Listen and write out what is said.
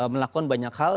melakukan banyak hal